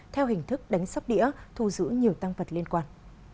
theo hình thức đánh sóc đĩa thu giữ nhiều tăng vật liên quan